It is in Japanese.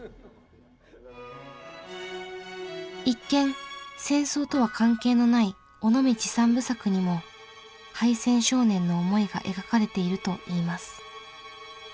一見戦争とは関係のない「尾道三部作」にも敗戦少年の思いが描かれているといいます。